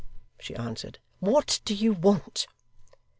she answered. 'What do you want?